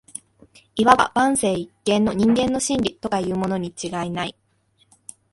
謂わば万世一系の人間の「真理」とかいうものに違いない